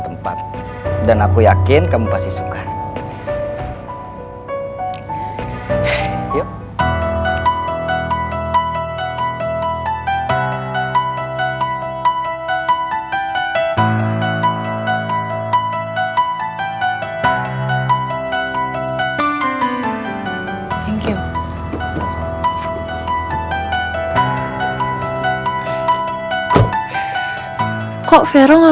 maafin bokap gua